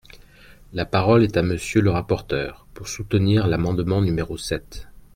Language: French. La parole est à Monsieur le rapporteur, pour soutenir l’amendement numéro sept.